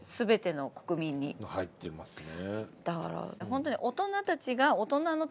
入っていますね。